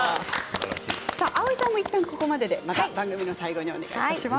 蒼井さんもいったんここまでで番組の最後にまたお願いします。